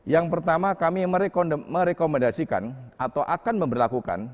yang pertama kami merekomendasikan atau akan memperlakukan